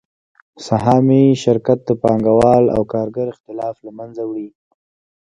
سهامي شرکت د پانګوال او کارګر اختلاف له منځه وړي